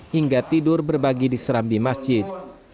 hingga tidur berbagi di serambi masjid